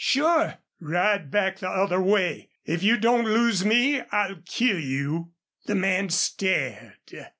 "Sure." "Ride back the other way! ... If you don't lose me I'll kill you!" The man stared.